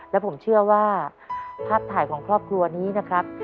และผมเชื่อว่าภาพถ่ายของครอบครัวนี้นะครับ